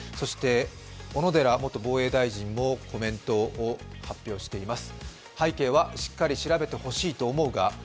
小野寺元防衛大臣もコメントを発表しています。